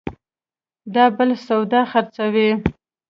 دا بل سودا خرڅوي